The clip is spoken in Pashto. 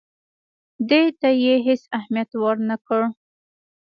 دې ته یې هېڅ اهمیت ورنه کړ.